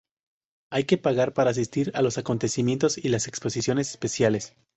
Hay que pagar para asistir a los acontecimientos, y las exposiciones especiales.